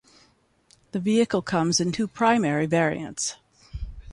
The vehicle comes in two primary variants.